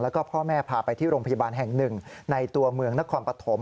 แล้วก็พ่อแม่พาไปที่โรงพยาบาลแห่งหนึ่งในตัวเมืองนครปฐม